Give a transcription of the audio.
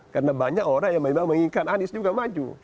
karena banyak orang yang memang menginginkan anies juga maju